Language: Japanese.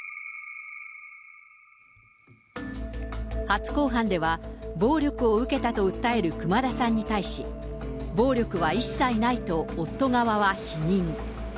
初公判では、暴力を受けたと訴える熊田さんに対し、暴力は一切ないと夫側は否認。